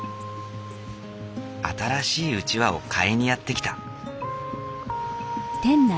新しいうちわを買いにやって来た。